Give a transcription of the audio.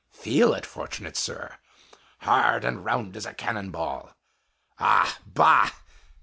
feel it, fortunate sir! hard and round as a cannon ball _Ah, bah!